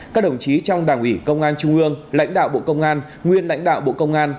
các đồng chí trong đảng ủy công an trung ương lãnh đạo bộ công an nguyên lãnh đạo bộ công an